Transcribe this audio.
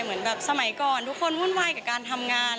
เหมือนแบบสมัยก่อนทุกคนวุ่นวายกับการทำงาน